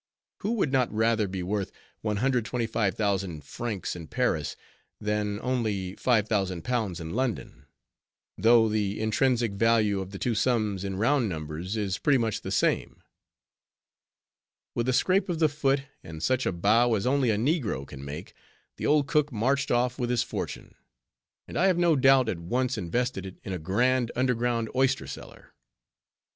Who would not rather be worth 125,000 francs in Paris, than only £5000 in London, though the intrinsic value of the two sums, in round numbers, is pretty much the same. With a scrape of the foot, and such a bow as only a negro can make, the old cook marched off with his fortune; and I have no doubt at once invested it in a grand, underground oyster cellar.